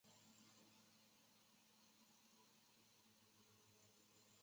南三陆金华山国定公园是日本宫城县已解除指定的国定公园。